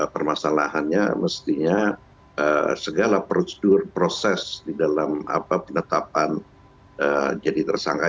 permasalahannya mestinya segala prosedur proses di dalam penetapan jadi tersangka